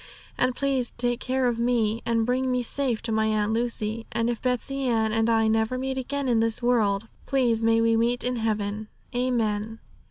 And please take care of me, and bring me safe to my Aunt Lucy. And if Betsey Ann and I never meet again in this world, please may we meet in heaven. Amen.'